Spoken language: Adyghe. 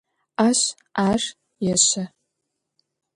Aş ar yêşe.